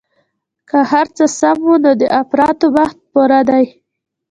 که هرڅه سم وو نو د اپراتو وخت پوره ديه.